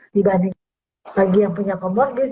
dibanding bagi yang punya comorbid